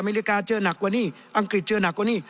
เมริกาเจอหนักกว่านี้อังกฤษเจอหนักกว่านี้